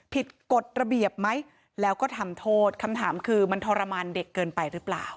กฎระเบียบไหมแล้วก็ทำโทษคำถามคือมันทรมานเด็กเกินไปหรือเปล่า